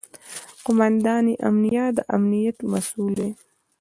قوماندان امنیه د امنیت مسوول دی